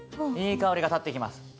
いい香りがたってきます。